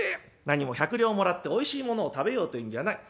なにも１００両もらっておいしいものを食べようというんじゃない。